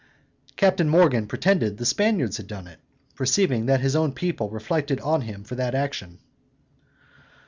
Captain Morgan pretended the Spaniards had done it, perceiving that his own people reflected on him for that action.